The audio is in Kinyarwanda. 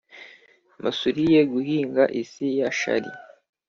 musuriye guhinga isi ya shari,